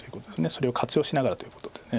それを活用しながらということで。